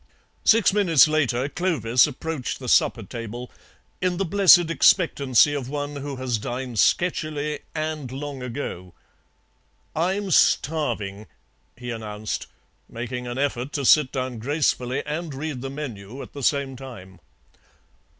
Six minutes later Clovis approached the supper table, in the blessed expectancy of one who has dined sketchily and long ago. "I'm starving," he announced, making an effort to sit down gracefully and read the menu at the same time.